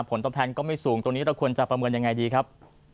ผลตอบแทนก็ไม่สูงตรงนี้เราควรจะประเมินยังไงดีครับ